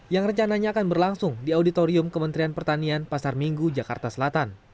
yang rencananya akan berlangsung di auditorium kementerian pertanian pasar minggu jakarta selatan